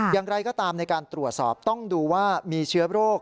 อย่างไรก็ตามในการตรวจสอบต้องดูว่ามีเชื้อโรค